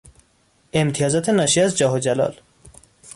امتیازات ناشی از جاه و جلال